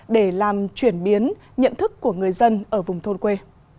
để làm chuyển biến nhận thức của người dân ở vùng thôn quê